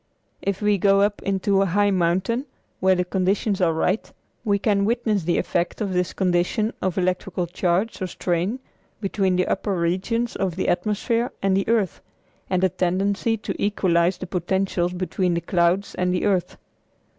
If we go up into a high mountain when the conditions are right, we can witness the effect of this condition of electrical charge or strain between the upper regions of the atmosphere and the earth, and the tendency to equalize the potentials between the clouds and the earth.